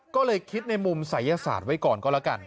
ก็เลยคิดในมุมศัยศาสตร์ไว้ก่อนก็แล้วกัน